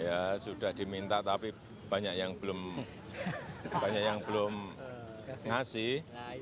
ya sudah diminta tapi banyak yang belum ngasih